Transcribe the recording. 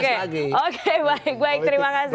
oke oke baik baik terima kasih